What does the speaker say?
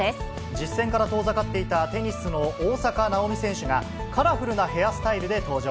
実戦から遠ざかっていたテニスの大坂なおみ選手が、カラフルなヘアスタイルで登場。